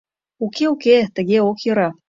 Уке, уке, тыге ок йӧрӧ...